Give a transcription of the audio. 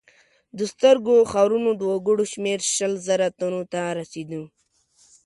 د سترو ښارونو د وګړو شمېر شل زره تنو ته رسېده.